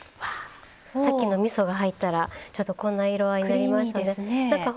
さっきのみそが入ったらちょっとこんな色合いになりましたね。